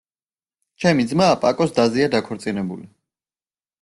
ჩემი ძმა პაკოს დაზეა დაქორწინებული.